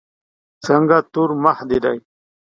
څنګه تور مخ دي دی.